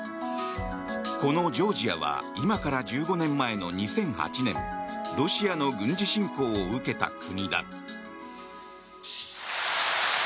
このジョージアは今から１５年前の２００８年ロシアの軍事侵攻を受けた国だ。